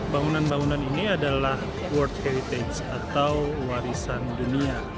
bangunan bangunan ini adalah world heritage atau warisan dunia